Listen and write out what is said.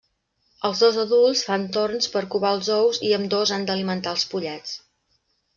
Els dos adults fan torns per covar els ous i ambdós han d'alimentar als pollets.